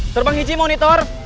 terbang hiji monitor